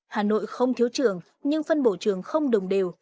hà nội không thiếu trường nhưng phân bổ trường không đồng đều